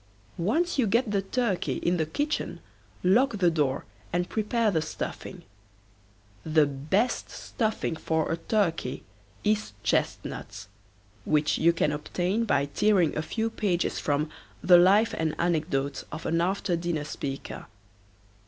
Once you get the turkey in the kitchen lock the door and prepare the stuffing. The best stuffing for a turkey is chestnuts, which you can obtain by tearing a few pages from "The Life and Anecdotes of an After Dinner Speaker."